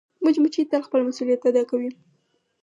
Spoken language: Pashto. مچمچۍ تل خپل مسؤولیت ادا کوي